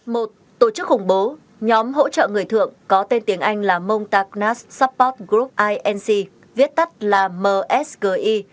một tổ chức khủng bố nhóm hỗ trợ người thượng có tên tiếng anh là montagnas support group inc viết tắt là msgi